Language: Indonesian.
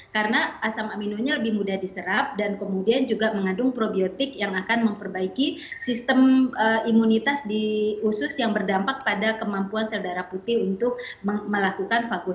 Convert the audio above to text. karena asam aminonya lebih mudah diserap dan kemudian juga mengandung probiotik yang akan memperbaiki sistem imunitas di usus yang berdampak pada kemampuan sel darah putih untuk melakukan fagocitosis